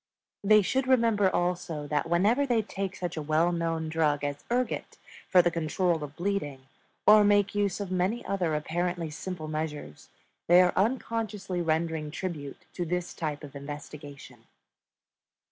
They should remember also that whenever they take such a well known drug as ergot for the control of bleeding, or make use of many other apparently simple measures, they are unconsciously rendering tribute to this type of investigation.